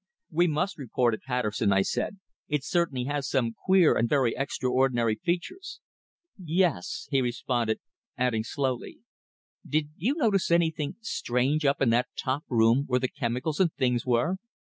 "We must report it, Patterson," I said. "It certainly has some queer and very extraordinary features." "Yes," he responded; adding slowly, "did you notice anything strange up in that top room where the chemicals and things were?"